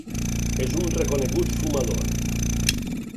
És un reconegut fumador.